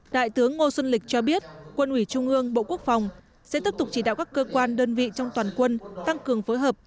đại tướng ngô xuân lịch cho biết quân ủy trung ương bộ quốc phòng sẽ tiếp tục chỉ đạo các cơ quan đơn vị trong toàn quân tăng cường phối hợp